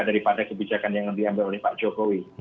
daripada kebijakan yang diambil oleh pak jokowi